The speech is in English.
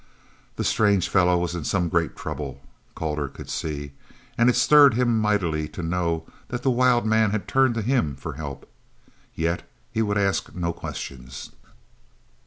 The strange fellow was in some great trouble, Calder could see, and it stirred him mightily to know that the wild man had turned to him for help. Yet he would ask no questions.